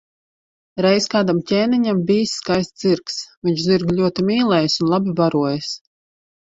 Reiz kādam ķēniņam bijis skaists zirgs, viņš zirgu ļoti mīlējis un labi barojis.